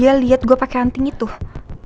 terima kasih sudah nonton